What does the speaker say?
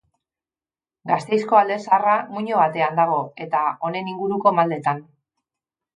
Gasteizko Alde Zaharra muino batean dago, eta honen inguruko maldetan.